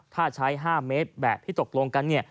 ถ้าใช้๕เมตรแบบที่ตกลงกัน